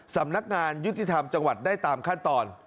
สำนักงานยุติธรรมจังหวัดได้ตามขั้นตอน